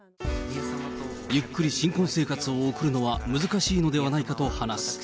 ゆっくり新婚生活を送るのは難しいのではないかと話す。